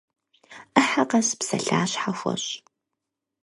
Ӏыхьэ къэс псалъащхьэ хуэщӏ.